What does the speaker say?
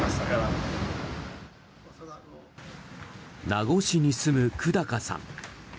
名護市に住む、久高さん。